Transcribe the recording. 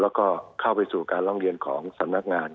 แล้วก็เข้าไปสู่การร้องเรียนของ